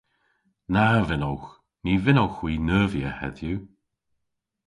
Na vynnowgh. Ny vynnowgh hwi neuvya hedhyw.